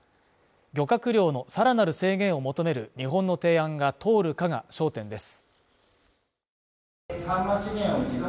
漁獲量のさらなる制限を求める日本の提案が通るかが焦点です。